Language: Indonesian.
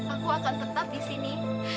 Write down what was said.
aku akan tetap disini